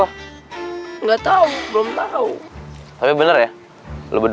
enggak tahu belum tahu